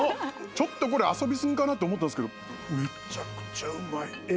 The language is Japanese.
ちょっとこれ遊び過ぎかなと思ったんすけどめちゃくちゃうまい。